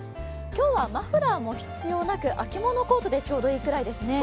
今日はマフラーも必要なく、秋物コートでちょうどいいくらいですね。